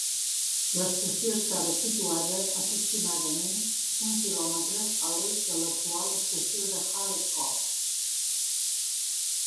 L'estació estava situada aproximadament un quilòmetre a l'est de l'actual estació de Hallett Cove.